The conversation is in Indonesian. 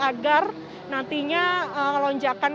agar nantinya lonjakan